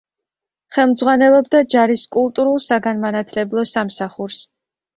ხელმძღვანელობდა ჯარის კულტურულ-საგანმანათლებლო სამსახურს.